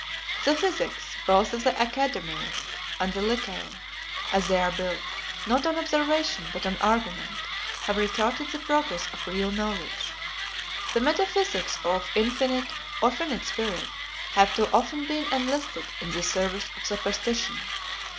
58 The physics, both of the Academy and the Lycaeum, as they are built, not on observation, but on argument, have retarded the progress of real knowledge. The metaphysics of infinite, or finite, spirit, have too often been enlisted in the service of superstition.